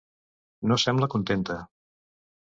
No sembla contenta.